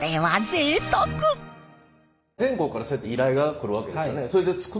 全国からそうやって依頼が来るわけですよね。